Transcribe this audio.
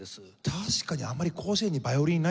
確かにあんまり甲子園にバイオリンいないですもんね。